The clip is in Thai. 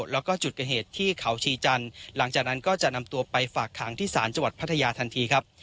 แล้วก็จุดเกิดเหตุที่เขาชีจันทร์หลังจากนั้นก็จะนำตัวไปฝากขังที่ศาลจังหวัดพัทยาทันทีครับ